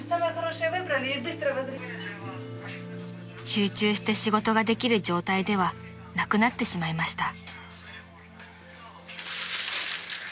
［集中して仕事ができる状態ではなくなってしまいました］